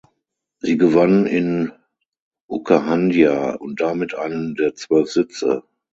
Sie gewann in Okahandja und damit einen der zwölf Sitze.